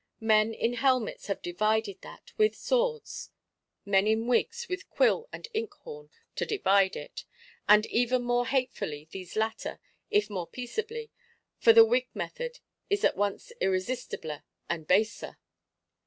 Men in helmets have divided that, with swords; men in wigs, with quill and inkhorn, do divide it: and even more hatefully these latter, if more peaceably; for the wig method is at once irresistibler and baser.